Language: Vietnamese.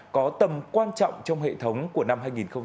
có tầm quan trọng trong hệ thống của năm hai nghìn hai mươi